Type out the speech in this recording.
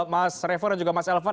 mas revo dan juga mas elvan